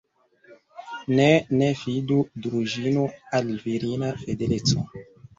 Ne, ne fidu, Druĵino, al virina fideleco!